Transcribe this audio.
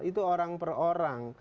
itu orang per orang